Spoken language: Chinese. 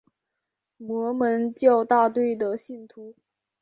摩门教大队的信徒。